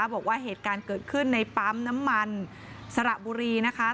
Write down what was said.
บอกว่าเหตุการณ์เกิดขึ้นในปั๊มน้ำมันสระบุรีนะคะ